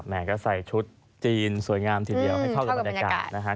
ก็ใส่ชุดจีนสวยงามทีเดียวให้เข้ากับบรรยากาศนะฮะ